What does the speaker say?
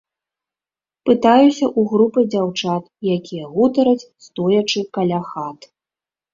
Пытаюся ў групы дзяўчат, якія гутараць, стоячы каля хат.